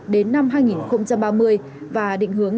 đến năm hai nghìn ba mươi và định hướng